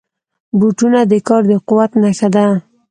بوټونه د کار د قوت نښه ده.